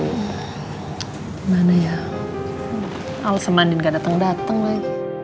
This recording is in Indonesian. gimana ya alsemanin gak dateng dateng lagi